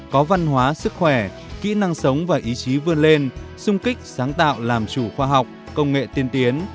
có văn hóa sức khỏe kỹ năng sống và ý chí vươn lên sung kích sáng tạo làm chủ khoa học công nghệ tiên tiến